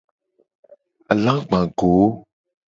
Alagba go.